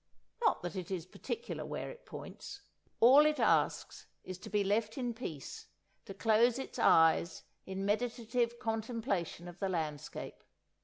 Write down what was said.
Not that it is particular where it points; all it asks is to be left in peace to close its eyes in meditative contemplation of the landscape.